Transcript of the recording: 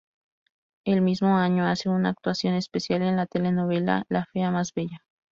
El mismo año hace una actuación especial en la telenovela La fea más bella.